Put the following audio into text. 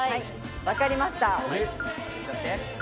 分かりました。